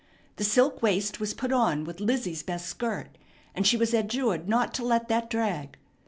The silk waist was put on with Lizzie's best skirt, and she was adjured not to let that drag.